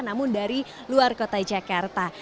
namun dari luar kota jakarta